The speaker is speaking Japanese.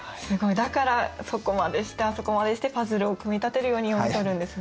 だからそこまでしてあそこまでしてパズルを組み立てるように読み取るんですね。